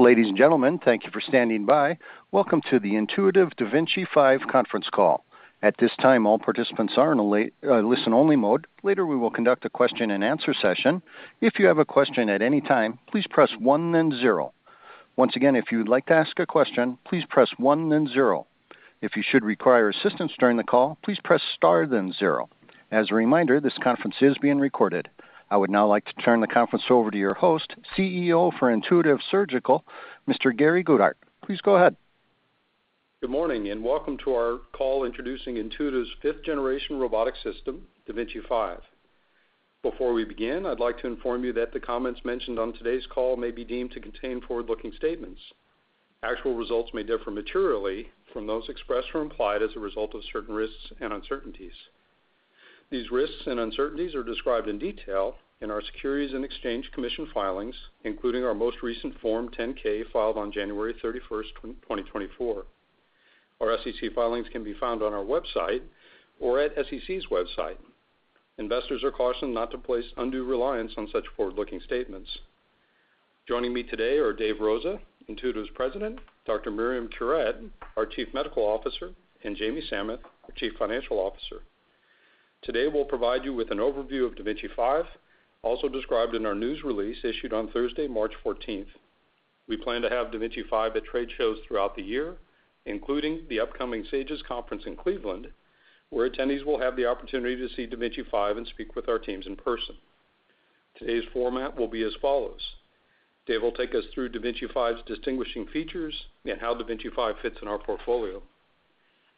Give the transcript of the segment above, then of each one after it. Ladies and gentlemen, thank you for standing by. Welcome to the Intuitive da Vinci 5 conference call. At this time, all participants are in a listen-only mode. Later, we will conduct a question-and-answer session. If you have a question at any time, please press 1, then 0. Once again, if you'd like to ask a question, please press 1, then 0. If you should require assistance during the call, please press star, then 0. As a reminder, this conference is being recorded. I would now like to turn the conference over to your host, CEO for Intuitive Surgical, Mr. Gary Guthart. Please go ahead. Good morning, and welcome to our call introducing Intuitive's fifth-generation robotic system, da Vinci 5. Before we begin, I'd like to inform you that the comments mentioned on today's call may be deemed to contain forward-looking statements. Actual results may differ materially from those expressed or implied as a result of certain risks and uncertainties. These risks and uncertainties are described in detail in our Securities and Exchange Commission filings, including our most recent Form 10-K, filed on January 31st, 2024. Our SEC filings can be found on our website or at SEC's website. Investors are cautioned not to place undue reliance on such forward-looking statements. Joining me today are Dave Rosa, Intuitive's President, Dr. Myriam Curet, our Chief Medical Officer, and Jamie Samath, our Chief Financial Officer. Today, we'll provide you with an overview of da Vinci 5, also described in our news release issued on Thursday, March 14. We plan to have da Vinci 5 at trade shows throughout the year, including the upcoming SAGES conference in Cleveland, where attendees will have the opportunity to see da Vinci 5 and speak with our teams in person. Today's format will be as follows: Dave will take us through da Vinci 5's distinguishing features and how da Vinci 5 fits in our portfolio.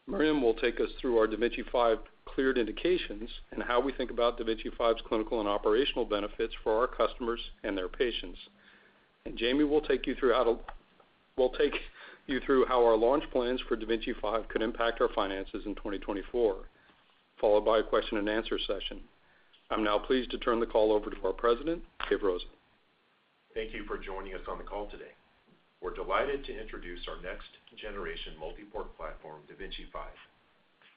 Myriam will take us through our da Vinci 5 cleared indications and how we think about da Vinci 5's clinical and operational benefits for our customers and their patients. And Jamie will take you through how our launch plans for da Vinci 5 could impact our finances in 2024, followed by a question-and-answer session. I'm now pleased to turn the call over to our President, Dave Rosa. Thank you for joining us on the call today. We're delighted to introduce our next-generation multi-port platform, da Vinci 5.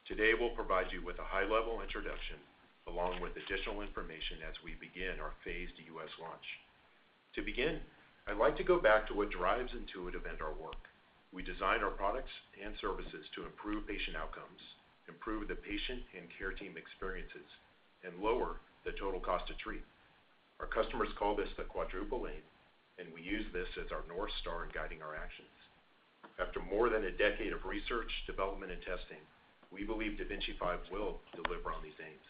Today, we'll provide you with a high-level introduction, along with additional information as we begin our phased US launch. To begin, I'd like to go back to what drives Intuitive and our work. We design our products and services to improve patient outcomes, improve the patient and care team experiences, and lower the total cost to treat. Our customers call this the Quadruple Aim, and we use this as our North Star in guiding our actions. After more than a decade of research, development, and testing, we believe da Vinci 5 will deliver on these aims.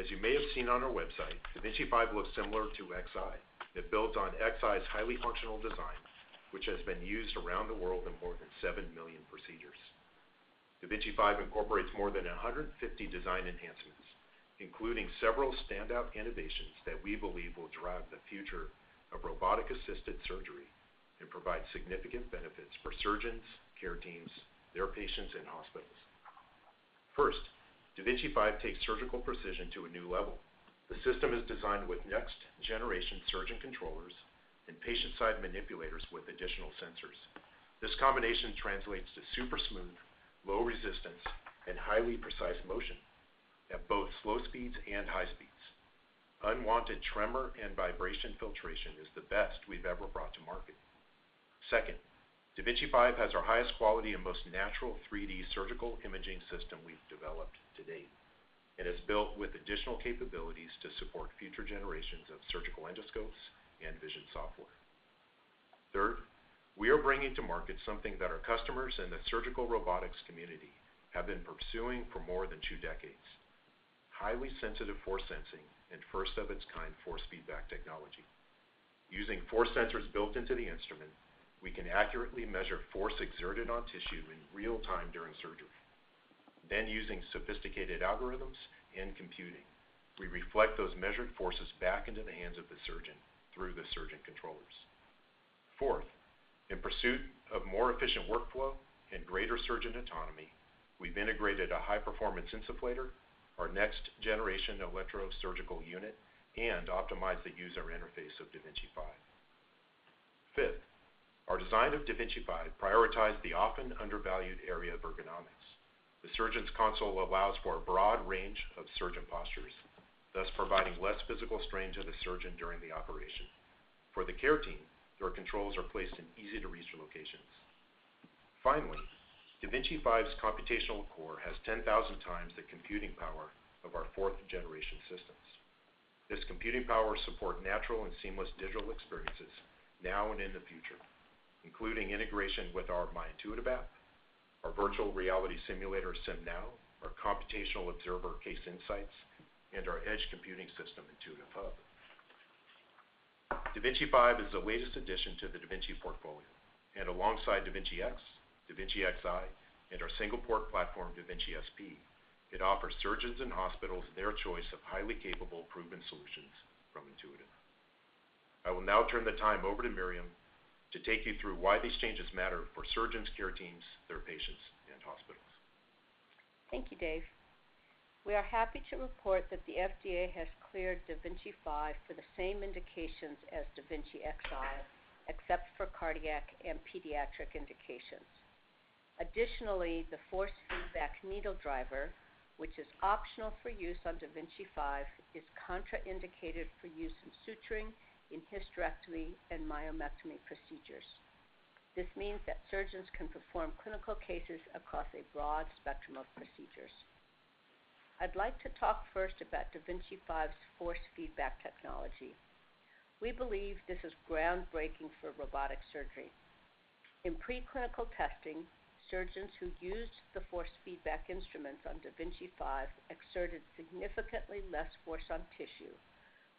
As you may have seen on our website, da Vinci 5 looks similar to Xi. It builds on Xi's highly functional design, which has been used around the world in more than 7 million procedures. da Vinci 5 incorporates more than 150 design enhancements, including several standout innovations that we believe will drive the future of robotic-assisted surgery and provide significant benefits for surgeons, care teams, their patients, and hospitals. First, da Vinci 5 takes surgical precision to a new level. The system is designed with next-generation surgeon controllers and patient-side manipulators with additional sensors. This combination translates to super smooth, low resistance, and highly precise motion at both slow speeds and high speeds. Unwanted tremor and vibration filtration is the best we've ever brought to market. Second, da Vinci 5 has our highest quality and most natural 3D surgical imaging system we've developed to date. It is built with additional capabilities to support future generations of surgical endoscopes and vision software. Third, we are bringing to market something that our customers and the surgical robotics community have been pursuing for more than two decades: highly sensitive force sensing and first-of-its-kind force feedback technology. Using force sensors built into the instrument, we can accurately measure force exerted on tissue in real time during surgery. Then, using sophisticated algorithms and computing, we reflect those measured forces back into the hands of the surgeon through the surgeon controllers. Fourth, in pursuit of more efficient workflow and greater surgeon autonomy, we've integrated a high-performance insufflator, our next-generation electrosurgical unit, and optimized the user interface of da Vinci 5. Fifth, our design of da Vinci 5 prioritized the often undervalued area of ergonomics. The surgeon's console allows for a broad range of surgeon postures, thus providing less physical strain to the surgeon during the operation. For the care team, their controls are placed in easy-to-reach locations. Finally, da Vinci 5's computational core has 10,000 times the computing power of our fourth-generation systems. This computing power support natural and seamless digital experiences now and in the future, including integration with our My Intuitive app, our virtual reality simulator, SimNow, our computational observer, Case Insights, and our edge computing system, Intuitive Hub. Da Vinci 5 is the latest addition to the da Vinci portfolio, and alongside da Vinci X, da Vinci Xi, and our single-port platform, da Vinci SP, it offers surgeons and hospitals their choice of highly capable, proven solutions from Intuitive. I will now turn the time over to Myriam to take you through why these changes matter for surgeons, care teams, their patients, and hospitals. Thank you, Dave. We are happy to report that the FDA has cleared da Vinci 5 for the same indications as da Vinci Xi, except for cardiac and pediatric indications. Additionally, the force feedback needle driver, which is optional for use on da Vinci 5, is contraindicated for use in suturing, in hysterectomy, and myomectomy procedures. This means that surgeons can perform clinical cases across a broad spectrum of procedures. I'd like to talk first about da Vinci 5's force feedback technology. We believe this is groundbreaking for robotic surgery. In preclinical testing, surgeons who used the force feedback instruments on da Vinci 5 exerted significantly less force on tissue,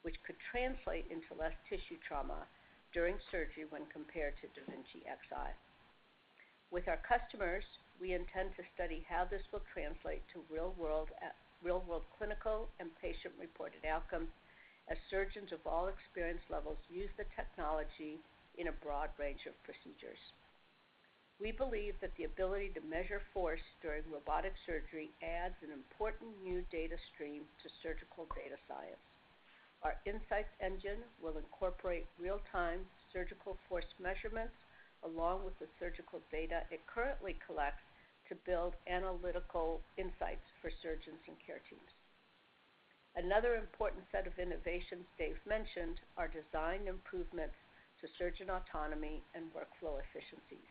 which could translate into less tissue trauma during surgery when compared to da Vinci Xi. With our customers, we intend to study how this will translate to real-world, real-world clinical and patient-reported outcomes as surgeons of all experience levels use the technology in a broad range of procedures. We believe that the ability to measure force during robotic surgery adds an important new data stream to surgical data science. Our insights engine will incorporate real-time surgical force measurements, along with the surgical data it currently collects, to build analytical insights for surgeons and care teams. Another important set of innovations Dave mentioned are design improvements to surgeon autonomy and workflow efficiencies.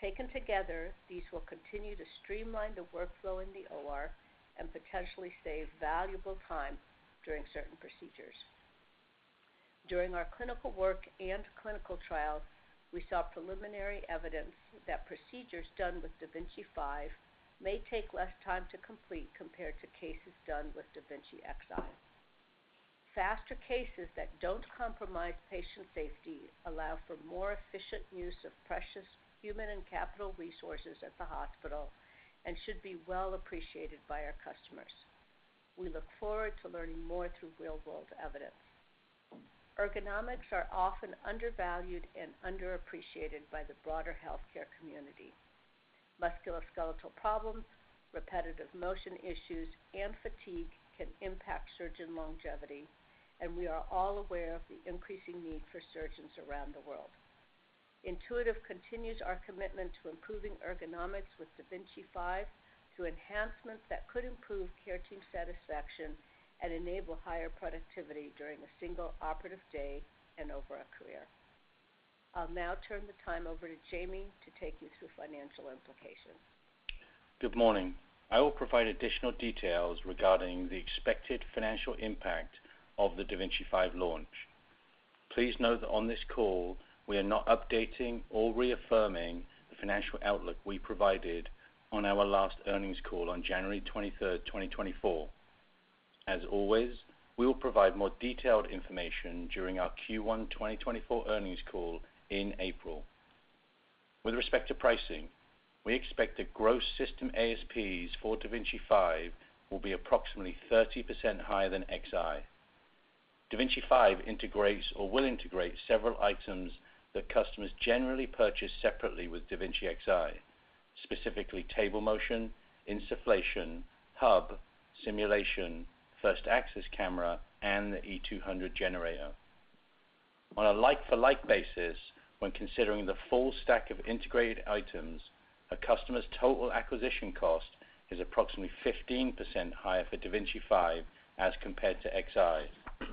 Taken together, these will continue to streamline the workflow in the OR and potentially save valuable time during certain procedures. During our clinical work and clinical trials, we saw preliminary evidence that procedures done with da Vinci 5 may take less time to complete compared to cases done with da Vinci Xi. Faster cases that don't compromise patient safety allow for more efficient use of precious human and capital resources at the hospital and should be well appreciated by our customers. We look forward to learning more through real-world evidence. Ergonomics are often undervalued and underappreciated by the broader healthcare community. Musculoskeletal problems, repetitive motion issues, and fatigue can impact surgeon longevity, and we are all aware of the increasing need for surgeons around the world. Intuitive continues our commitment to improving ergonomics with da Vinci 5 through enhancements that could improve care team satisfaction and enable higher productivity during a single operative day and over a career. I'll now turn the time over to Jamie to take you through financial implications. Good morning. I will provide additional details regarding the expected financial impact of the da Vinci 5 launch. Please note that on this call, we are not updating or reaffirming the financial outlook we provided on our last earnings call on January 23, 2024. As always, we will provide more detailed information during our Q1 2024 earnings call in April. With respect to pricing, we expect that gross system ASPs for da Vinci 5 will be approximately 30% higher than Xi. Da Vinci 5 integrates or will integrate several items that customers generally purchase separately with da Vinci Xi, specifically table motion, insufflation, Hub, simulation, first access camera, and the E-200 generator. On a like-for-like basis, when considering the full stack of integrated items, a customer's total acquisition cost is approximately 15% higher for da Vinci 5 as compared to Xi.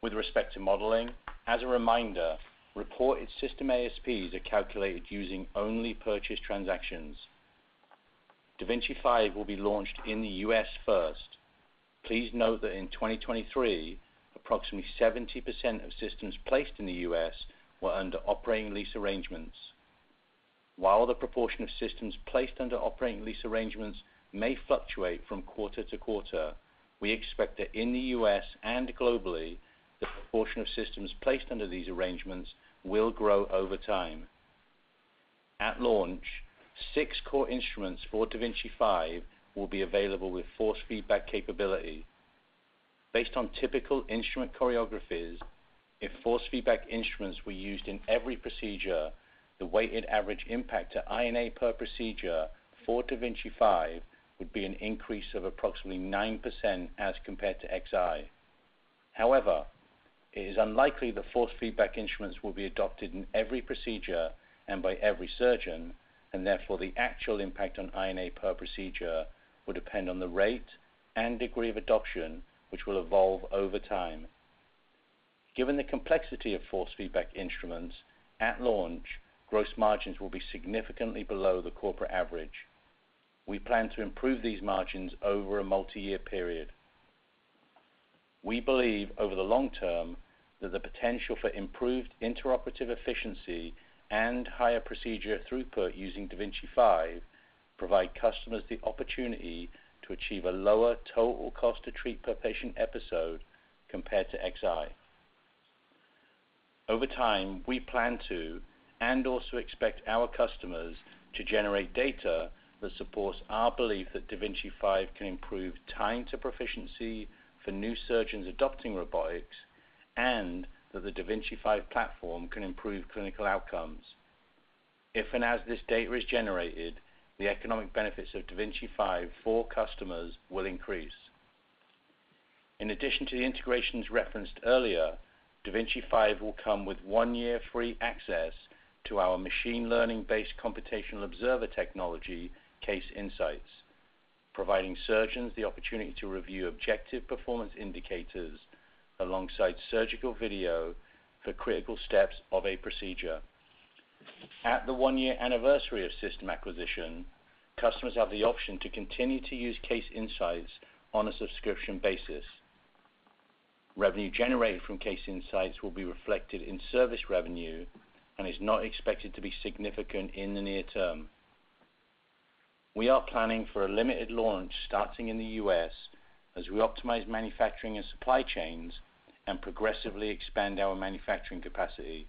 With respect to modeling, as a reminder, reported system ASPs are calculated using only purchase transactions. Da Vinci 5 will be launched in the US first. Please note that in 2023, approximately 70% of systems placed in the US were under operating lease arrangements. While the proportion of systems placed under operating lease arrangements may fluctuate from quarter to quarter, we expect that in the US and globally, the proportion of systems placed under these arrangements will grow over time. At launch, 6 core instruments for da Vinci 5 will be available with force feedback capability. Based on typical instrument choreographies, if force feedback instruments were used in every procedure, the weighted average impact to I&A per procedure for da Vinci 5 would be an increase of approximately 9% as compared to Xi. However, it is unlikely that force feedback instruments will be adopted in every procedure and by every surgeon, and therefore, the actual impact on I&A per procedure will depend on the rate and degree of adoption, which will evolve over time. Given the complexity of force feedback instruments, at launch, gross margins will be significantly below the corporate average. We plan to improve these margins over a multiyear period. We believe, over the long term, that the potential for improved intraoperative efficiency and higher procedure throughput using da Vinci 5 provide customers the opportunity to achieve a lower total cost to treat per patient episode compared to Xi. Over time, we plan to, and also expect our customers to, generate data that supports our belief that da Vinci 5 can improve time to proficiency for new surgeons adopting robotics and that the da Vinci 5 platform can improve clinical outcomes. If and as this data is generated, the economic benefits of da Vinci 5 for customers will increase. In addition to the integrations referenced earlier, da Vinci 5 will come with one year free access to our machine learning-based computational observer technology, Case Insights, providing surgeons the opportunity to review objective performance indicators alongside surgical video for critical steps of a procedure. At the one-year anniversary of system acquisition, customers have the option to continue to use Case Insights on a subscription basis. Revenue generated from Case Insights will be reflected in service revenue and is not expected to be significant in the near term. We are planning for a limited launch starting in the US as we optimize manufacturing and supply chains and progressively expand our manufacturing capacity.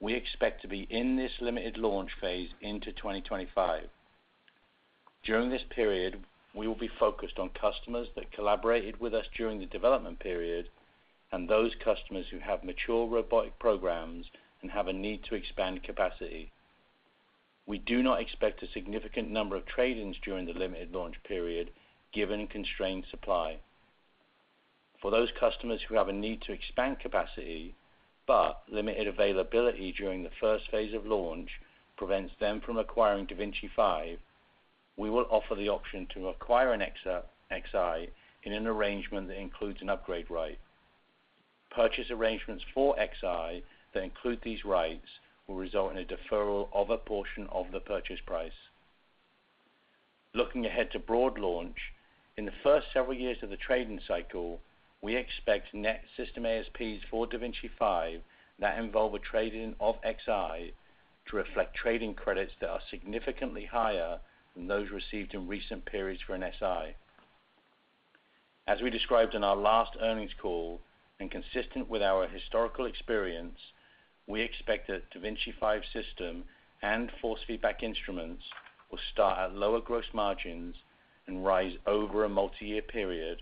We expect to be in this limited launch phase into 2025. During this period, we will be focused on customers that collaborated with us during the development period and those customers who have mature robotic programs and have a need to expand capacity. We do not expect a significant number of trade-ins during the limited launch period, given constrained supply. For those customers who have a need to expand capacity, but limited availability during the first phase of launch prevents them from acquiring da Vinci 5, we will offer the option to acquire a Xi in an arrangement that includes an upgrade rate. Purchase arrangements for Xi that include these rates will result in a deferral of a portion of the purchase price. Looking ahead to broad launch, in the first several years of the trading cycle, we expect net system ASPs for da Vinci 5 that involve a trade-in of Xi to reflect trading credits that are significantly higher than those received in recent periods for an Si. As we described in our last earnings call, and consistent with our historical experience, we expect that da Vinci 5 system and force feedback instruments will start at lower gross margins and rise over a multi-year period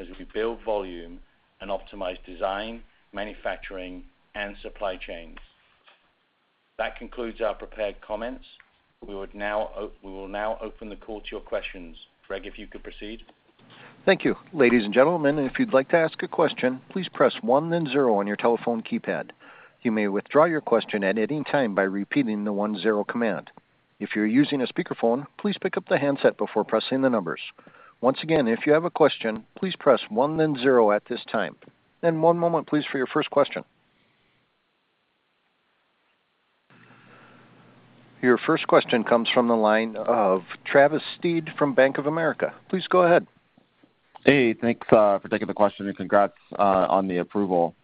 as we build volume and optimize design, manufacturing, and supply chains. That concludes our prepared comments. We would now, we will now open the call to your questions. Greg, if you could proceed. Thank you. Ladies and gentlemen, if you'd like to ask a question, please press one then zero on your telephone keypad. You may withdraw your question at any time by repeating the one zero command. If you're using a speakerphone, please pick up the handset before pressing the numbers. Once again, if you have a question, please press one, then zero at this time. Then one moment, please, for your first question. Your first question comes from the line of Travis Steed from Bank of America. Please go ahead. Hey, thanks for taking the question, and congrats on the approval.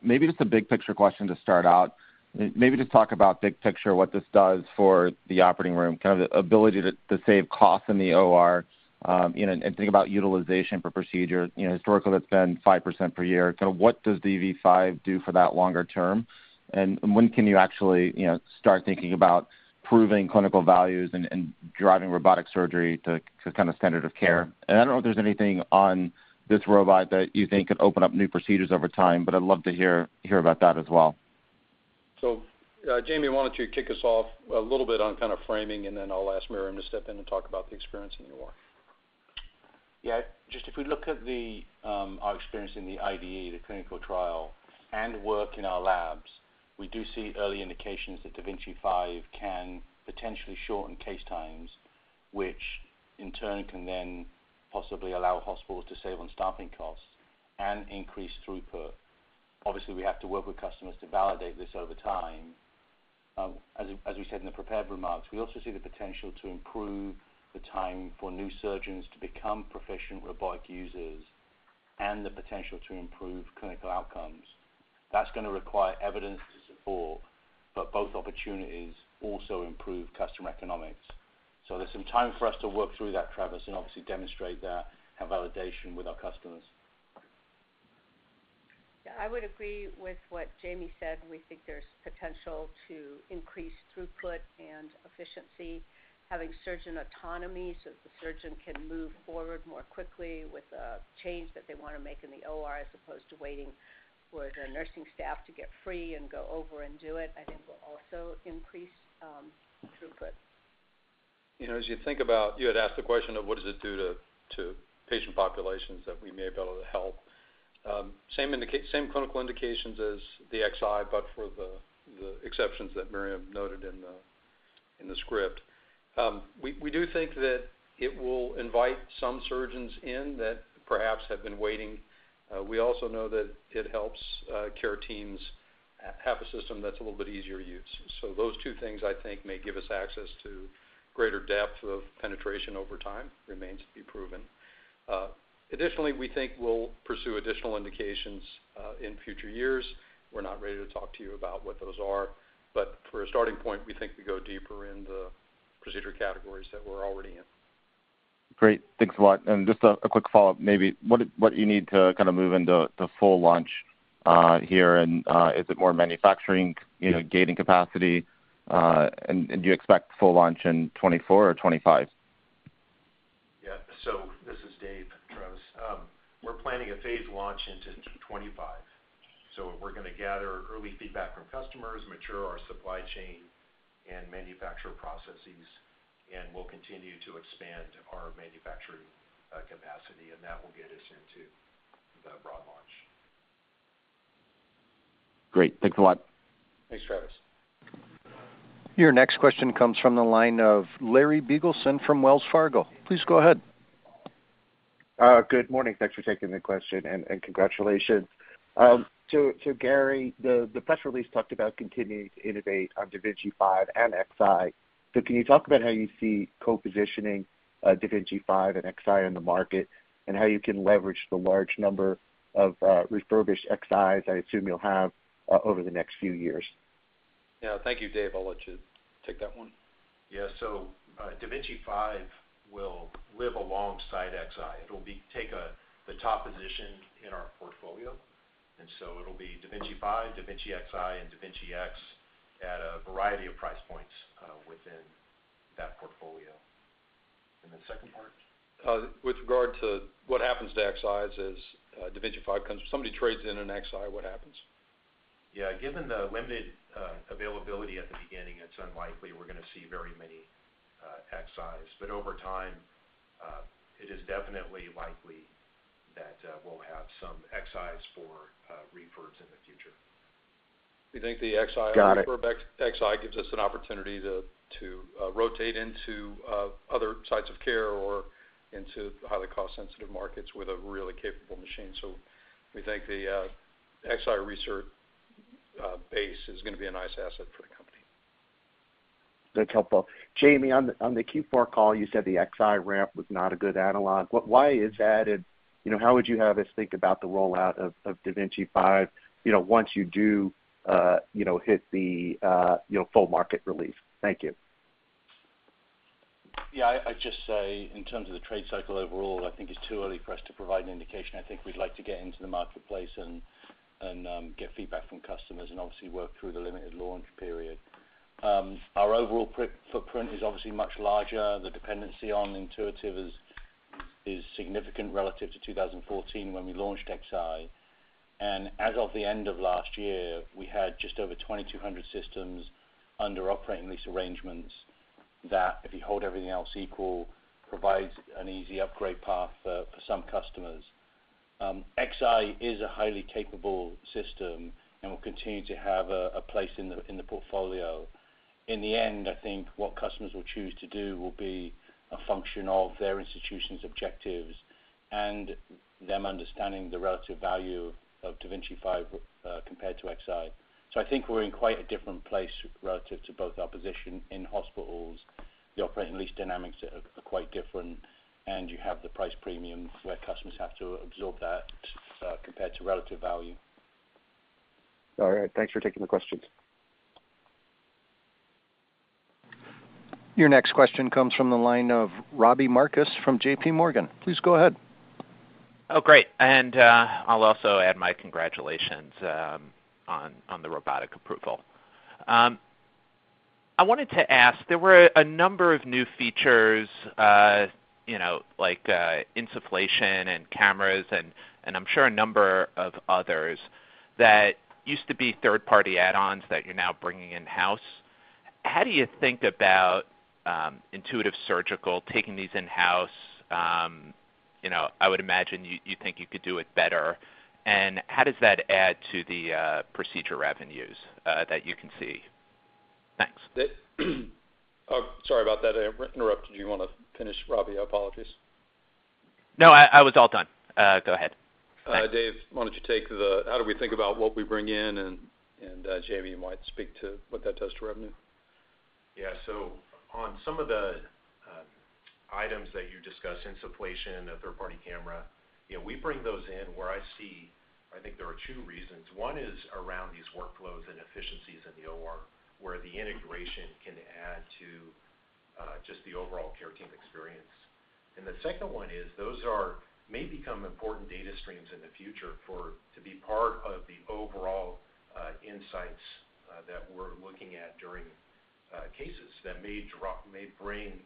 Maybe just a big picture question to start out. Maybe just talk about big picture, what this does for the operating room, kind of the ability to save costs in the OR, you know, and think about utilization per procedure. You know, historically, that's been 5% per year. So what does da Vinci 5 do for that longer term? And when can you actually, you know, start thinking about proving clinical values and driving robotic surgery to kind of standard of care? And I don't know if there's anything on this robot that you think could open up new procedures over time, but I'd love to hear about that as well. So, Jamie, why don't you kick us off a little bit on kind of framing, and then I'll ask Myriam to step in and talk about the experience in the OR. Yeah. Just if we look at our experience in the IDE, the clinical trial, and work in our labs, we do see early indications that da Vinci 5 can potentially shorten case times, which in turn can then possibly allow hospitals to save on staffing costs and increase throughput. Obviously, we have to work with customers to validate this over time. As we said in the prepared remarks, we also see the potential to improve the time for new surgeons to become proficient robotic users and the potential to improve clinical outcomes. That's gonna require evidence to support, but both opportunities also improve customer economics. So there's some time for us to work through that, Travis, and obviously demonstrate that and have validation with our customers. Yeah, I would agree with what Jamie said. We think there's potential to increase throughput and efficiency. Having surgeon autonomy, so the surgeon can move forward more quickly with a change that they want to make in the OR, as opposed to waiting for the nursing staff to get free and go over and do it, I think will also increase throughput. You know, as you think about—you had asked the question of what does it do to patient populations that we may be able to help? Same indications, same clinical indications as the Xi, but for the exceptions that Myriam noted in the script. We do think that it will invite some surgeons in that perhaps have been waiting. We also know that it helps care teams have a system that's a little bit easier to use. So those two things, I think, may give us access to greater depth of penetration over time. Remains to be proven. Additionally, we think we'll pursue additional indications in future years. We're not ready to talk to you about what those are, but for a starting point, we think we go deeper in the procedure categories that we're already in. Great. Thanks a lot. And just a quick follow-up, maybe. What do you need to kind of move into the full launch here? And is it more manufacturing, you know, gaining capacity? And do you expect full launch in 2024 or 2025? Yeah. So this is Dave, Travis. We're planning a phased launch into 2025. So we're gonna gather early feedback from customers, mature our supply chain. ... and manufacture processes, and we'll continue to expand our manufacturing capacity, and that will get us into the broad launch. Great. Thanks a lot. Thanks, Travis. Your next question comes from the line of Larry Biegelsen from Wells Fargo. Please go ahead. Good morning. Thanks for taking the question, and congratulations. So Gary, the press release talked about continuing to innovate on da Vinci 5 and Xi. So can you talk about how you see co-positioning da Vinci 5 and Xi in the market, and how you can leverage the large number of refurbished Xis I assume you'll have over the next few years? Yeah. Thank you, Dave. I'll let you take that one. Yeah. So, da Vinci 5 will live alongside Xi. It'll take the top position in our portfolio, and so it'll be da Vinci 5, da Vinci Xi, and da Vinci X at a variety of price points within that portfolio. And the second part? With regard to what happens to Xis as da Vinci 5 comes. If somebody trades in an Xi, what happens? Yeah, given the limited availability at the beginning, it's unlikely we're gonna see very many Xis. But over time, it is definitely likely that we'll have some Xis for refurbs in the future. We think the Xi- Got it. Refurb Xi gives us an opportunity to rotate into other sites of care or into highly cost-sensitive markets with a really capable machine. So we think the Xi resurgence base is gonna be a nice asset for the company. That's helpful. Jamie, on the, on the Q4 call, you said the Xi ramp was not a good analog. What? Why is that? And, you know, how would you have us think about the rollout of, of da Vinci 5, you know, once you do, you know, hit the, you know, full market release? Thank you. Yeah, I'd just say, in terms of the trade cycle overall, I think it's too early for us to provide an indication. I think we'd like to get into the marketplace and get feedback from customers, and obviously, work through the limited launch period. Our overall footprint is obviously much larger. The dependency on Intuitive is significant relative to 2014, when we launched Xi. And as of the end of last year, we had just over 2,200 systems under operating lease arrangements that, if you hold everything else equal, provides an easy upgrade path for some customers. Xi is a highly capable system and will continue to have a place in the portfolio. In the end, I think what customers will choose to do will be a function of their institution's objectives and them understanding the relative value of da Vinci 5, compared to Xi. So I think we're in quite a different place relative to both our position in hospitals. The operating lease dynamics are quite different, and you have the price premium, where customers have to absorb that, compared to relative value. All right. Thanks for taking the questions. Your next question comes from the line of Robbie Marcus from J.P. Morgan. Please go ahead. Oh, great, and I'll also add my congratulations on the robotic approval. I wanted to ask, there were a number of new features, you know, like, insufflation and cameras, and I'm sure a number of others, that used to be third-party add-ons that you're now bringing in-house. How do you think about Intuitive Surgical taking these in-house? You know, I would imagine you think you could do it better, and how does that add to the procedure revenues that you can see? Thanks. Oh, sorry about that. I interrupted. Do you want to finish, Robbie? I apologize. No, I was all done. Go ahead. Dave, why don't you take the how do we think about what we bring in, and Jamie, you might speak to what that does to revenue? Yeah. So on some of the items that you discussed, insufflation, a third-party camera, you know, we bring those in where I see... I think there are two reasons. One is around these workflows and efficiencies in the OR, where the integration can add to just the overall care team experience. And the second one is, those may become important data streams in the future for to be part of the overall insights that we're looking at during cases that may bring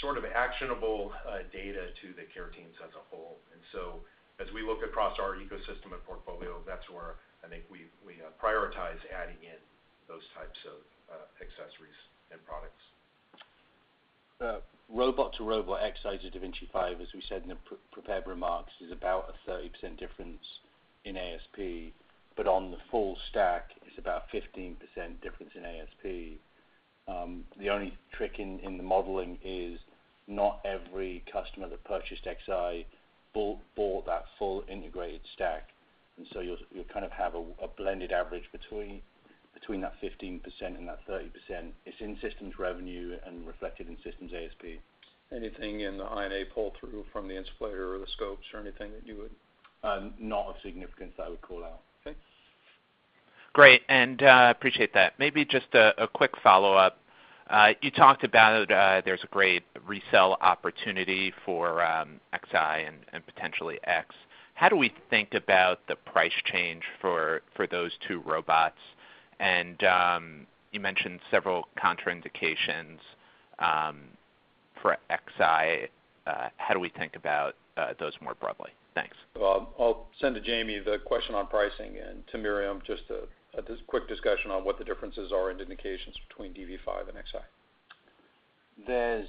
sort of actionable data to the care teams as a whole. And so as we look across our ecosystem and portfolio, that's where I think we prioritize adding in those types of accessories and products. Robot to robot, Xi to da Vinci 5, as we said in the prepared remarks, is about a 30% difference in ASP, but on the full stack, it's about 15% difference in ASP. The only trick in the modeling is not every customer that purchased Xi bought that full integrated stack, and so you'll kind of have a blended average between that 15% and that 30%. It's in systems revenue and reflected in systems ASP. Anything in the I&A pull-through from the insufflator or the scopes or anything that you would? Not of significance that I would call out. Okay. Great, and appreciate that. Maybe just a quick follow-up. You talked about, there's a great resell opportunity for Xi and potentially X. How do we think about the price change for those two robots? And you mentioned several contraindications for Xi, how do we think about those more broadly? Thanks. Well, I'll send to Jamie the question on pricing, and to Myriam, just a quick discussion on what the differences are and indications between da Vinci 5 and Xi. Well,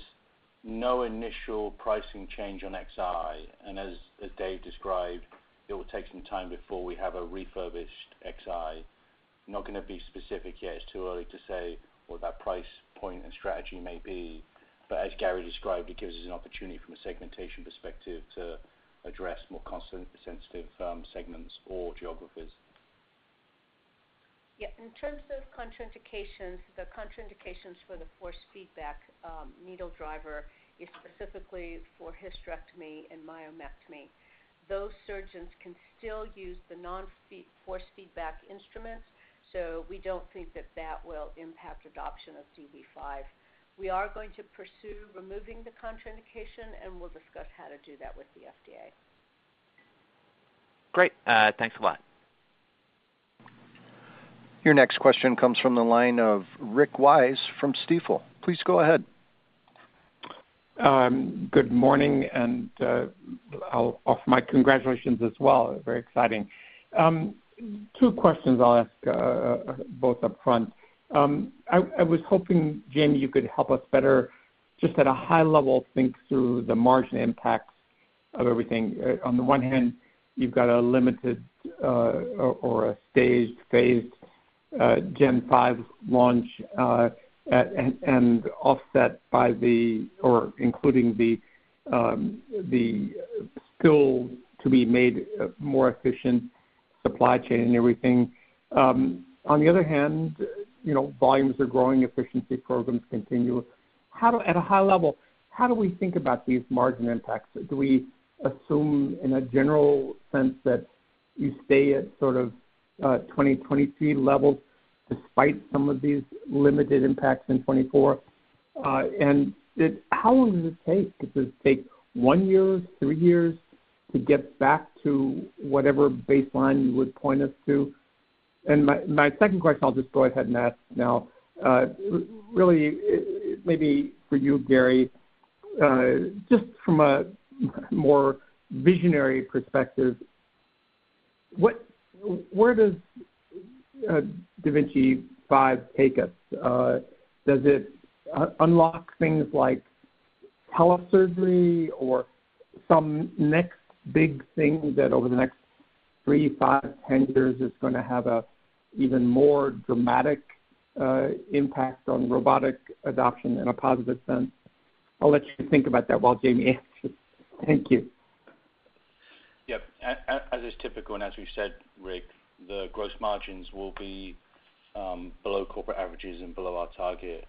I'll send to Jamie the question on pricing, and to Myriam, just a quick discussion on what the differences are and indications between da Vinci 5 and Xi. There's no initial pricing change on Xi, and as Dave described, it will take some time before we have a refurbished Xi. Not going to be specific yet. It's too early to say what that price point and strategy may be. But as Gary described, it gives us an opportunity from a segmentation perspective to address more cost-sensitive segments or geographies. Yeah, in terms of contraindications, the contraindications for the force feedback needle driver is specifically for hysterectomy and myomectomy. Those surgeons can still use the non-force feedback instruments, so we don't think that that will impact adoption of da Vinci 5. We are going to pursue removing the contraindication, and we'll discuss how to do that with the FDA. Great, thanks a lot. Your next question comes from the line of Rick Wise from Stifel. Please go ahead. Good morning, and I'll offer my congratulations as well. Very exciting. Two questions I'll ask, both upfront. I was hoping, Jamie, you could help us better, just at a high level, think through the margin impacts of everything. On the one hand, you've got a limited, or a staged phased, Gen-5 launch, and offset by the, or including the, still to be made more efficient supply chain and everything. On the other hand, you know, volumes are growing, efficiency programs continue. At a high level, how do we think about these margin impacts? Do we assume, in a general sense, that you stay at sort of 2023 levels despite some of these limited impacts in 2024? And how long does it take? Does it take 1 year, 3 years to get back to whatever baseline you would point us to? And my second question, I'll just go ahead and ask now. Really, maybe for you, Gary, just from a more visionary perspective, what, where does da Vinci 5 take us? Does it unlock things like telesurgery or some next big thing that over the next 3, 5, 10 years, is going to have an even more dramatic impact on robotic adoption in a positive sense? I'll let you think about that while Jamie answers. Thank you. Yep. As is typical, and as we've said, Rick, the gross margins will be below corporate averages and below our target.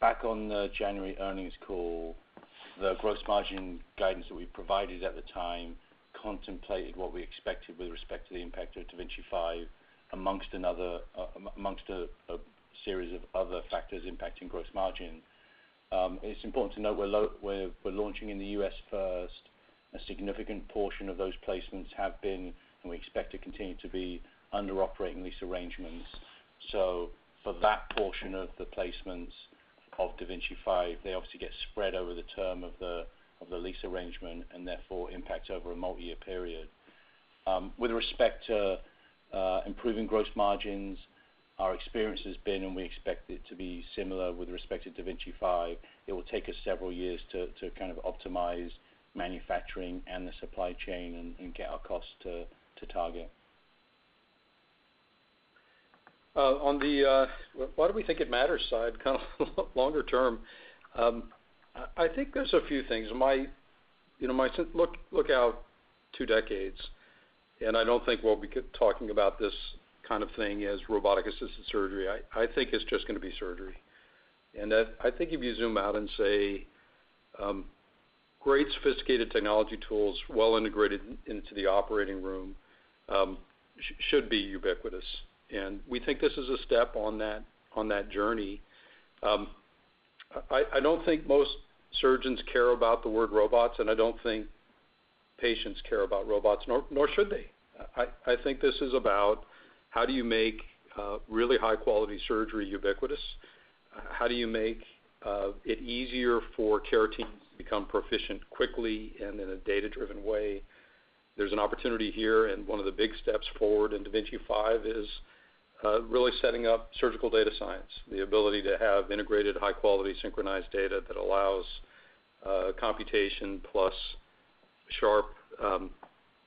Back on the January earnings call, the gross margin guidance that we provided at the time contemplated what we expected with respect to the impact of da Vinci 5, amongst another, amongst a series of other factors impacting gross margin. It's important to note we're launching in the US first. A significant portion of those placements have been, and we expect to continue to be, under operating lease arrangements. So for that portion of the placements of da Vinci 5, they obviously get spread over the term of the lease arrangement and therefore impact over a multiyear period. With respect to improving gross margins, our experience has been, and we expect it to be similar with respect to da Vinci 5, it will take us several years to kind of optimize manufacturing and the supply chain and get our costs to target. On the why do we think it matters side, kind of longer term, I think there's a few things. You know, look out two decades, and I don't think we'll be talking about this kind of thing as robotic-assisted surgery. I think it's just going to be surgery. And that I think if you zoom out and say, great sophisticated technology tools, well integrated into the operating room, should be ubiquitous. And we think this is a step on that journey. I don't think most surgeons care about the word robots, and I don't think patients care about robots, nor should they. I think this is about how do you make really high-quality surgery ubiquitous? How do you make it easier for care teams to become proficient quickly and in a data-driven way? There's an opportunity here, and one of the big steps forward in da Vinci 5 is really setting up surgical data science, the ability to have integrated, high-quality, synchronized data that allows computational observer,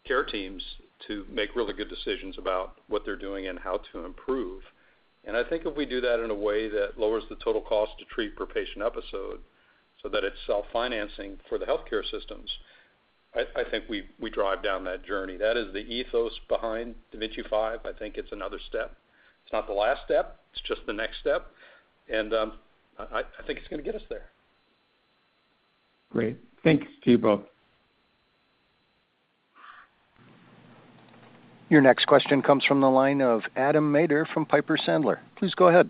care teams to make really good decisions about what they're doing and how to improve. And I think if we do that in a way that lowers the total cost to treat per patient episode, so that it's self-financing for the healthcare systems, I, I think we, we drive down that journey. That is the ethos behind da Vinci 5. I think it's another step. It's not the last step. It's just the next step, and, I, I think it's going to get us there. Great. Thanks to you both. Your next question comes from the line of Adam Maeder from Piper Sandler. Please go ahead.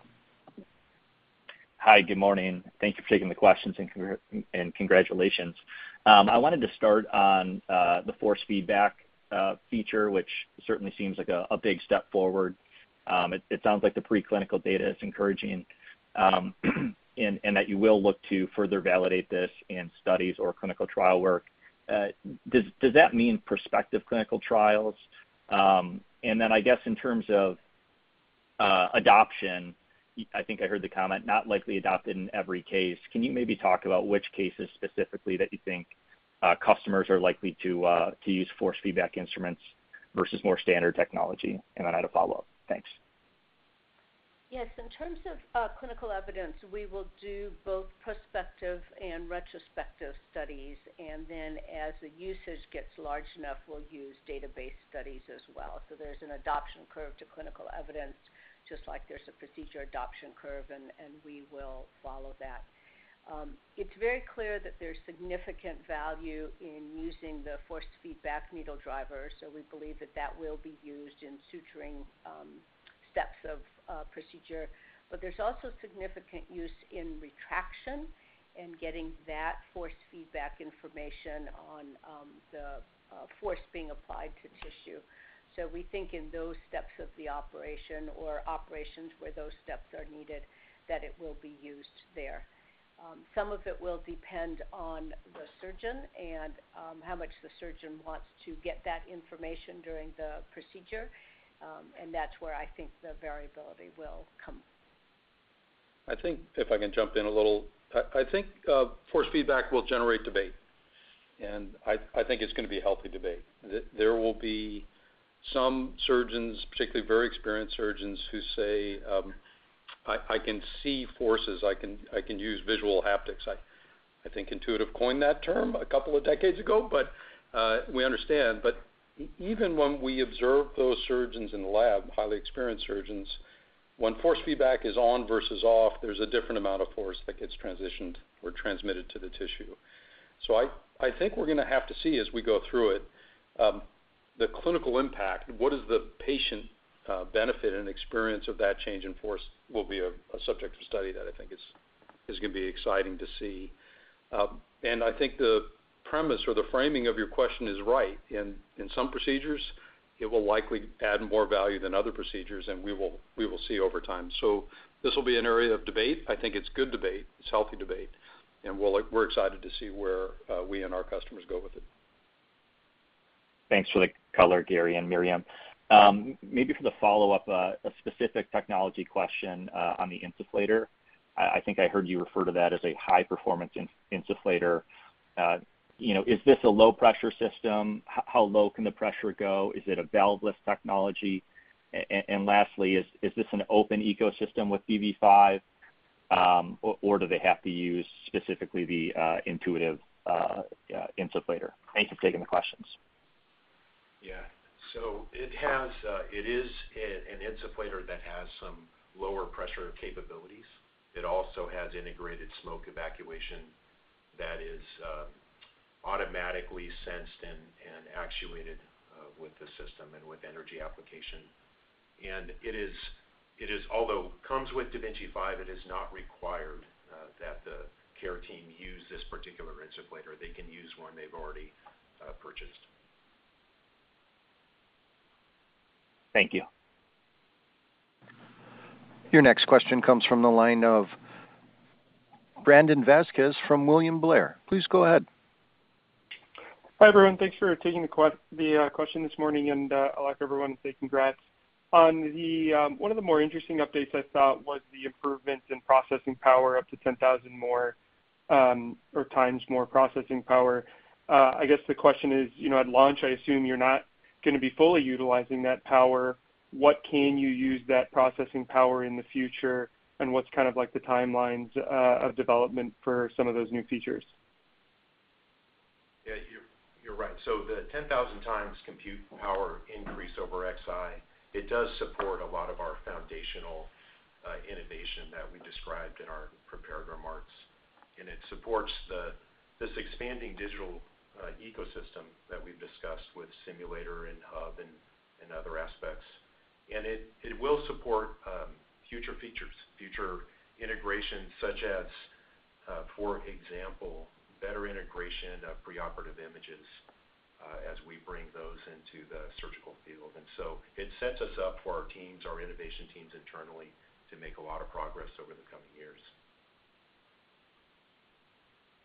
Hi, good morning. Thank you for taking the questions, and congratulations. I wanted to start on the force feedback feature, which certainly seems like a big step forward. It sounds like the preclinical data is encouraging, and that you will look to further validate this in studies or clinical trial work. Does that mean prospective clinical trials? And then I guess in terms of adoption, I think I heard the comment, not likely adopted in every case. Can you maybe talk about which cases specifically that you think customers are likely to use force feedback instruments versus more standard technology? And then I had a follow-up. Thanks. Yes. In terms of clinical evidence, we will do both prospective and retrospective studies, and then as the usage gets large enough, we'll use database studies as well. So there's an adoption curve to clinical evidence, just like there's a procedure adoption curve, and we will follow that. It's very clear that there's significant value in using the force feedback needle driver, so we believe that that will be used in suturing steps of procedure. But there's also significant use in retraction and getting that force feedback information on the force being applied to tissue. So we think in those steps of the operation or operations where those steps are needed, that it will be used there. Some of it will depend on the surgeon and how much the surgeon wants to get that information during the procedure. That's where I think the variability will come. I think, if I can jump in a little, I, I think, force feedback will generate debate, and I, I think it's gonna be a healthy debate. There will be some surgeons, particularly very experienced surgeons, who say, "I, I can see forces. I can, I can use visual haptics." I, I think Intuitive coined that term a couple of decades ago, but, we understand. But even when we observe those surgeons in the lab, highly experienced surgeons, when force feedback is on versus off, there's a different amount of force that gets transitioned or transmitted to the tissue. So I, I think we're gonna have to see as we go through it. The clinical impact, what is the patient, benefit and experience of that change in force, will be a, a subject of study that I think is, is gonna be exciting to see. I think the premise or the framing of your question is right. In some procedures, it will likely add more value than other procedures, and we will see over time. So this will be an area of debate. I think it's good debate. It's healthy debate, and we'll, we're excited to see where we and our customers go with it. Thanks for the color, Gary and Myriam. Maybe for the follow-up, a specific technology question on the insufflator. I think I heard you refer to that as a high-performance insufflator. You know, is this a low-pressure system? How low can the pressure go? Is it a valveless technology? And lastly, is this an open ecosystem with dV5, or do they have to use specifically the Intuitive insufflator? Thanks for taking the questions. Yeah. So it is an insufflator that has some lower pressure capabilities. It also has integrated smoke evacuation that is automatically sensed and actuated with the system and with energy application. And it is, although it comes with da Vinci 5, it is not required that the care team use this particular insufflator. They can use one they've already purchased. Thank you. Your next question comes from the line of Brandon Vazquez from William Blair. Please go ahead. Hi, everyone. Thanks for taking the question this morning, and I'd like everyone to say congrats. On the one of the more interesting updates I thought was the improvement in processing power, up to 10,000 times more processing power. I guess the question is, you know, at launch, I assume you're not gonna be fully utilizing that power. What can you use that processing power in the future, and what's kind of like the timelines of development for some of those new features? Yeah, you're right. So the 10,000 times compute power increase over Xi, it does support a lot of our foundational innovation that we described in our prepared remarks. And it supports this expanding digital ecosystem that we've discussed with Simulator and Hub and other aspects. And it will support future features, future integrations such as, for example, better integration of preoperative images, as we bring those into the surgical field. And so it sets us up for our teams, our innovation teams internally, to make a lot of progress over the coming years.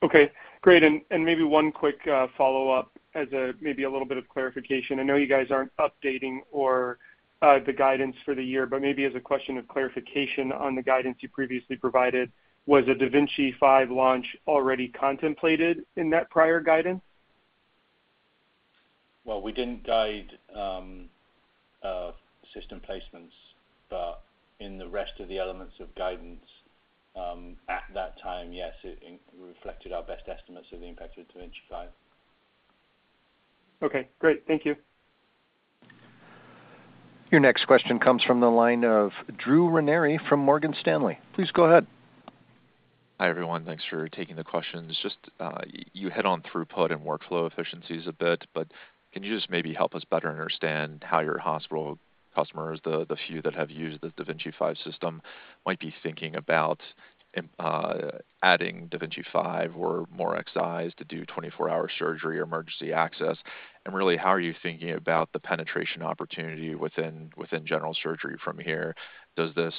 Okay, great. And, and maybe one quick follow-up as a maybe a little bit of clarification. I know you guys aren't updating or the guidance for the year, but maybe as a question of clarification on the guidance you previously provided, was the da Vinci 5 launch already contemplated in that prior guidance? Well, we didn't guide system placements, but in the rest of the elements of guidance, at that time, yes, it reflected our best estimates of the impact of da Vinci 5. Okay, great. Thank you. Your next question comes from the line of Drew Ranieri from Morgan Stanley. Please go ahead. Hi, everyone. Thanks for taking the questions. Just, you hit on throughput and workflow efficiencies a bit, but can you just maybe help us better understand how your hospital customers, the, the few that have used the da Vinci 5 system, might be thinking about, adding da Vinci 5 or more Xis to do 24-hour surgery or emergency access? And really, how are you thinking about the penetration opportunity within, within general surgery from here? Does this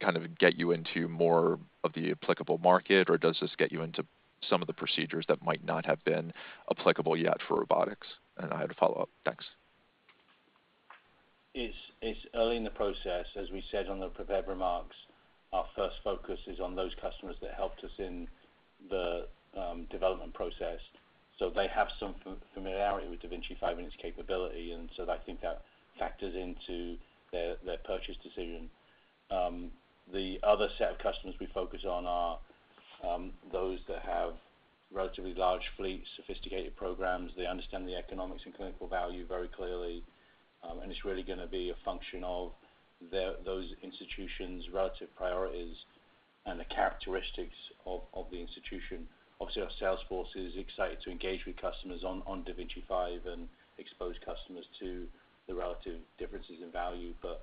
kind of get you into more of the applicable market, or does this get you into some of the procedures that might not have been applicable yet for robotics? And I had a follow-up. Thanks.... It's early in the process, as we said on the prepared remarks, our first focus is on those customers that helped us in the development process. So they have some familiarity with da Vinci 5 and its capability, and so I think that factors into their purchase decision. The other set of customers we focus on are those that have relatively large fleets, sophisticated programs. They understand the economics and clinical value very clearly, and it's really gonna be a function of those institutions' relative priorities and the characteristics of the institution. Obviously, our sales force is excited to engage with customers on da Vinci 5 and expose customers to the relative differences in value. But,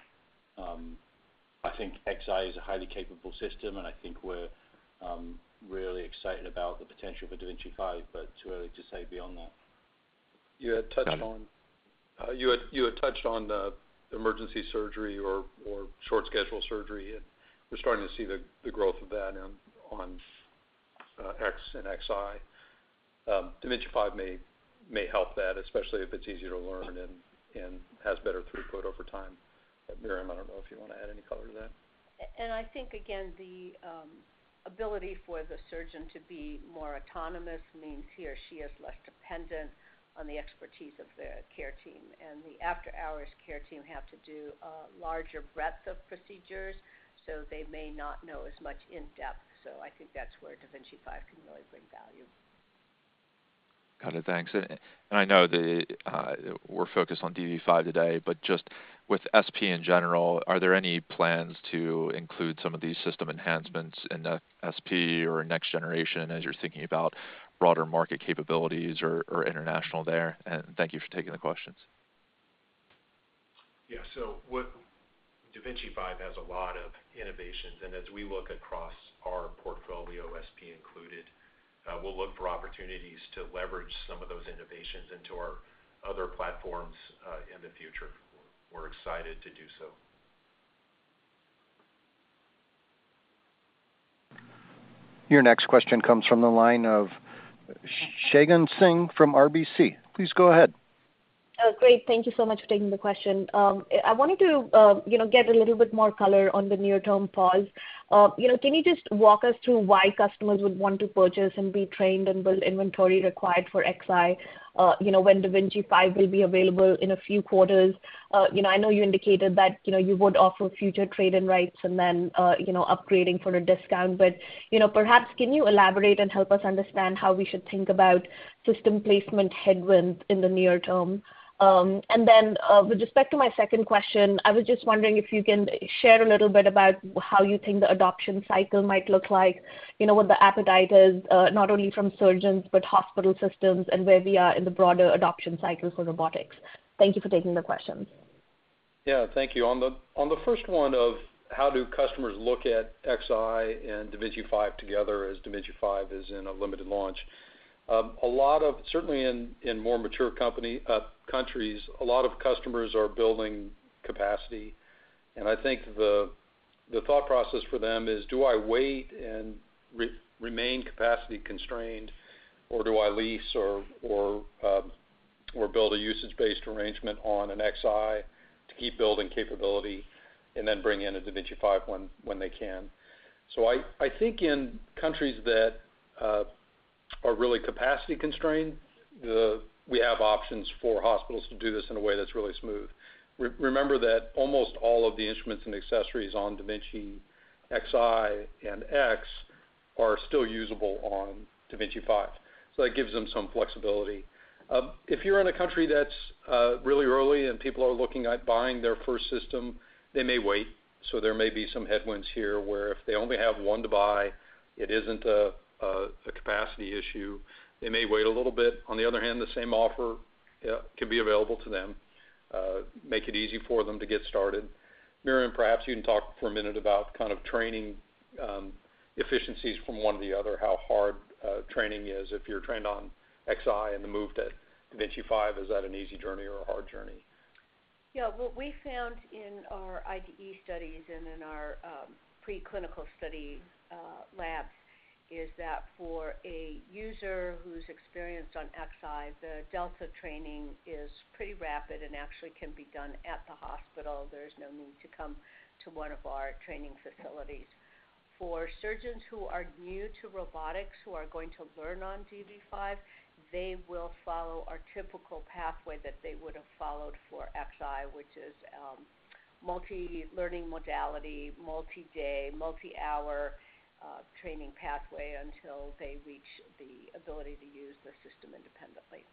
I think Xi is a highly capable system, and I think we're really excited about the potential for da Vinci 5, but it's too early to say beyond that. You had touched on- Adam? You had touched on the emergency surgery or short-schedule surgery, and we're starting to see the growth of that on X and Xi. da Vinci 5 may help that, especially if it's easier to learn and has better throughput over time. But Myriam, I don't know if you wanna add any color to that? And I think, again, the ability for the surgeon to be more autonomous means he or she is less dependent on the expertise of the care team. And the after-hours care team have to do a larger breadth of procedures, so they may not know as much in depth. So I think that's where da Vinci 5 can really bring value. Got it. Thanks. And, and I know the, we're focused on dV5 today, but just with SP in general, are there any plans to include some of these system enhancements in the SP or next generation as you're thinking about broader market capabilities or, or international there? And thank you for taking the questions. Yeah. So da Vinci 5 has a lot of innovations, and as we look across our portfolio, SP included, we'll look for opportunities to leverage some of those innovations into our other platforms, in the future. We're excited to do so. Your next question comes from the line of Shagun Singh from RBC. Please go ahead. Oh, great. Thank you so much for taking the question. I wanted to, you know, get a little bit more color on the near-term pause. You know, can you just walk us through why customers would want to purchase and be trained and build inventory required for Xi, you know, when da Vinci 5 will be available in a few quarters? You know, I know you indicated that, you know, you would offer future trade-in rights and then, you know, upgrading for a discount. But, you know, perhaps, can you elaborate and help us understand how we should think about system placement headwinds in the near term? And then, with respect to my second question, I was just wondering if you can share a little bit about how you think the adoption cycle might look like? You know, what the appetite is, not only from surgeons, but hospital systems, and where we are in the broader adoption cycle for robotics. Thank you for taking the questions. Yeah, thank you. On the first one of how do customers look at Xi and da Vinci 5 together as da Vinci 5 is in a limited launch. A lot of—certainly in more mature company countries, a lot of customers are building capacity. And I think the thought process for them is: Do I wait and remain capacity constrained, or do I lease or build a usage-based arrangement on a Xi to keep building capability and then bring in a da Vinci 5 when they can? So I think in countries that are really capacity constrained, we have options for hospitals to do this in a way that's really smooth. Remember that almost all of the instruments and accessories on da Vinci Xi and X are still usable on da Vinci 5, so that gives them some flexibility. If you're in a country that's really early and people are looking at buying their first system, they may wait. So there may be some headwinds here, where if they only have one to buy, it isn't a capacity issue, they may wait a little bit. On the other hand, the same offer can be available to them, make it easy for them to get started. Myriam, perhaps you can talk for a minute about kind of training efficiencies from one to the other, how hard training is. If you're trained on Xi and the move to da Vinci 5, is that an easy journey or a hard journey? Yeah. What we found in our IDE studies and in our preclinical study labs is that for a user who's experienced on XI, the delta training is pretty rapid and actually can be done at the hospital. There's no need to come to one of our training facilities. For surgeons who are new to robotics, who are going to learn on dV5, they will follow our typical pathway that they would have followed for XI, which is multi-learning modality, multi-day, multi-hour training pathway until they reach the ability to use the system independently.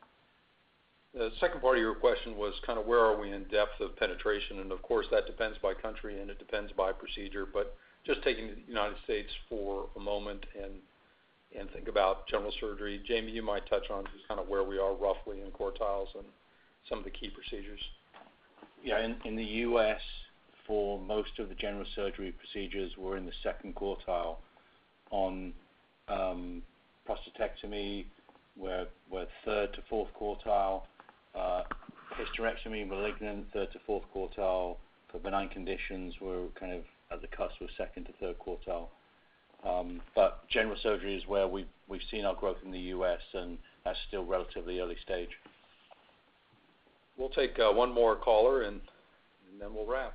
The second part of your question was kind of where are we in depth of penetration? And of course, that depends by country, and it depends by procedure. But just taking the United States for a moment and think about general surgery. Jamie, you might touch on just kind of where we are roughly in quartiles and some of the key procedures. Yeah. In the U.S., for most of the general surgery procedures, we're in the second quartile. On prostatectomy, we're third to fourth quartile. Hysterectomy, malignant, third to fourth quartile. For benign conditions, we're kind of at the cusp of second to third quartile. But general surgery is where we've seen our growth in the U.S., and that's still relatively early stage. We'll take one more caller, and then we'll wrap.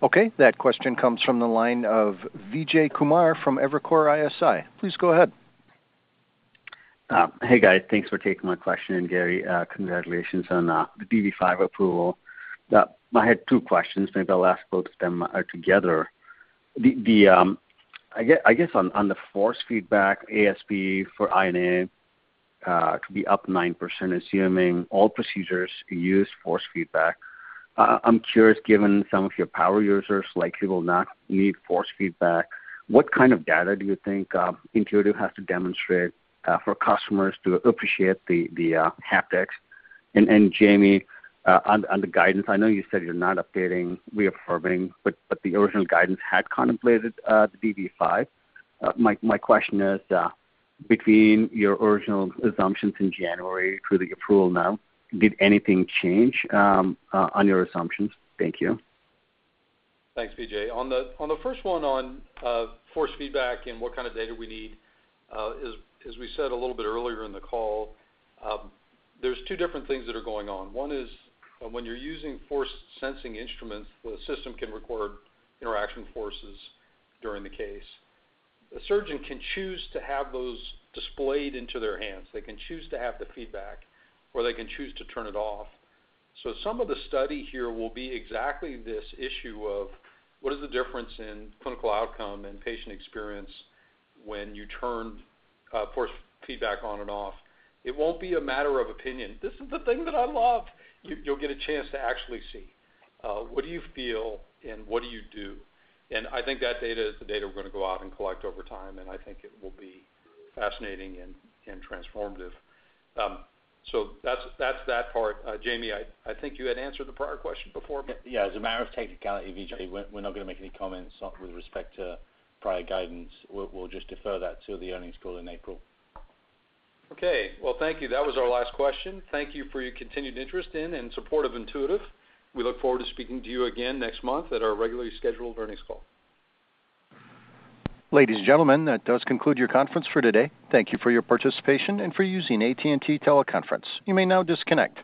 Okay, that question comes from the line of Vijay Kumar from Evercore ISI. Please go ahead. Hey, guys. Thanks for taking my question, and Gary, congratulations on the dV5 approval. I had two questions. Maybe I'll ask both of them together. I guess on the force feedback, ASP for I&A could be up 9%, assuming all procedures use force feedback. I'm curious, given some of your power users likely will not need force feedback, what kind of data do you think Intuitive has to demonstrate for customers to appreciate the haptics? And Jamie, on the guidance, I know you said you're not updating, reconfirming, but the original guidance had contemplated the dV5. My question is, between your original assumptions in January through the approval now, did anything change on your assumptions? Thank you. Thanks, Vijay. On the first one, force feedback and what kind of data we need, as we said a little bit earlier in the call, there's two different things that are going on. One is, when you're using force sensing instruments, the system can record interaction forces during the case. A surgeon can choose to have those displayed into their hands. They can choose to have the feedback, or they can choose to turn it off. So some of the study here will be exactly this issue of, what is the difference in clinical outcome and patient experience when you turn force feedback on and off? It won't be a matter of opinion. "This is the thing that I love." You'll get a chance to actually see what do you feel and what do you do. I think that data is the data we're going to go out and collect over time, and I think it will be fascinating and, and transformative. That's that part. Jamie, I think you had answered the prior question before. Yeah. As a matter of technicality, Vijay, we're not going to make any comments with respect to prior guidance. We'll just defer that to the earnings call in April. Okay. Well, thank you. That was our last question. Thank you for your continued interest in and support of Intuitive. We look forward to speaking to you again next month at our regularly scheduled earnings call. Ladies and gentlemen, that does conclude your conference for today. Thank you for your participation and for using AT&T Teleconference. You may now disconnect.